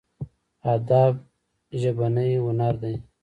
ادب ژبنی هنر دی.